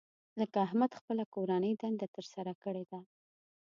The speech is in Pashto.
لکه احمد خپله کورنۍ دنده تر سره کړې ده.